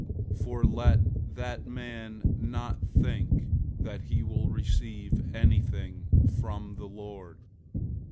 001:007 For let that man not think that he will receive anything from the Lord.